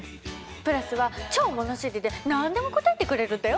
プラスは超物知りで何でも答えてくれるんだよ。